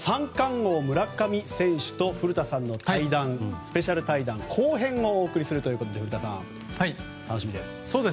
王村上選手と古田さんのスペシャル対談後編をお送りするということで楽しみです。